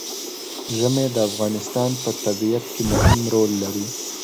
ژمی د افغانستان په طبیعت کې مهم رول لري.